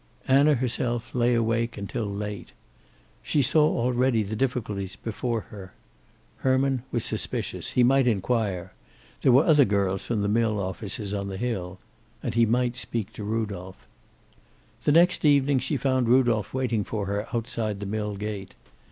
Anna herself lay awake until late. She saw already the difficulties before her. Herman was suspicious. He might inquire. There were other girls from the mill offices on the hill. And he might speak to Rudolph. The next evening she found Rudolph waiting for her outside the mill gate.